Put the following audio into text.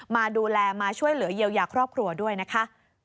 มาดูแลมาช่วยเหลือเยียวยาครอบครัวด้วยนะคะ